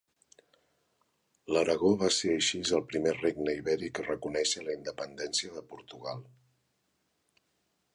L'Aragó va ser així el primer regne ibèric a reconèixer la independència de Portugal.